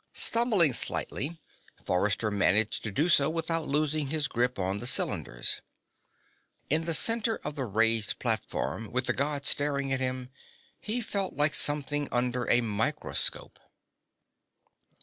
Stumbling slightly, Forrester managed to do so without losing his grip on the cylinders. In the center of the raised platform, with the Gods staring at him, he felt like something under a microscope.